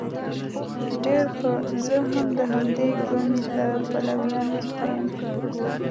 ډیر ښه زه هم د همدې ګوند له پلویانو څخه یم.